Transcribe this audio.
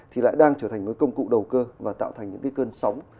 thì lại đang trở thành một công cụ đầu cơ và tạo thành những cái cơn sóng